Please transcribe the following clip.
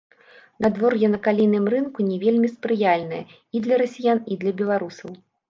Надвор'е на калійным рынку не вельмі спрыяльнае і для расіян, і для беларусаў.